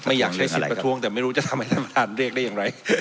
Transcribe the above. อยากใช้สิทธิ์ประท้วงแต่ไม่รู้จะทำให้ท่านประธานเรียกได้อย่างไร